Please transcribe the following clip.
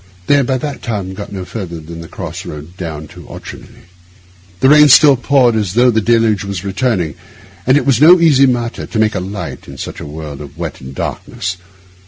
They had by that time got no farther than the cross road down to Auchenclinny. The rain still poured as though the deluge were returning, and it was no easy matter to make a light in such a world of wet and darkness.